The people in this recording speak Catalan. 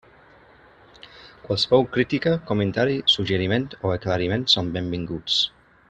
Qualsevol crítica, comentari, suggeriment o aclariment són benvinguts.